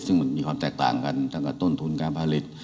ซึ่งมันมีความแตกต่างกันตั้งแต่ต้นทุนการผลิต